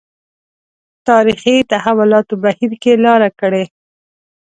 تاریخي تحولاتو بهیر کې لاره کړې.